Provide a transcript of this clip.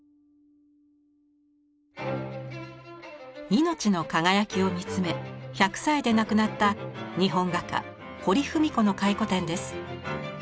命の輝きを見つめ１００歳で亡くなった日本画家堀文子の回顧展です。